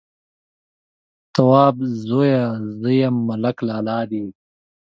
_توابه زويه! زه يم، ملک لالا دې.